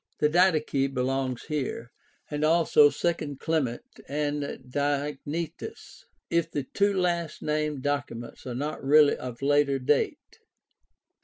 The Didache belongs here, and also II Clement and Diognetus — if the two last named documents are not really of later date.